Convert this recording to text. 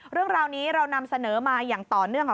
เรื่องราวนี้เรานำเสนอมาอย่างต่อเนื่องค่ะ